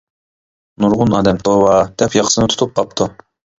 نۇرغۇن ئادەم «توۋا! » دەپ ياقىسىنى تۇتۇپ قاپتۇ.